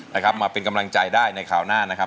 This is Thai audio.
นะครับมาเป็นกำลังใจได้ในคราวหน้านะครับ